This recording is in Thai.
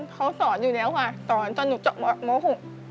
เขาสอนอยู่แล้วค่ะสอนตอนหนูจบม๖